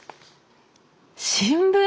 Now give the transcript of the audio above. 新聞？